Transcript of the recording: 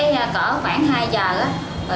rồi cỡ khoảng hai giờ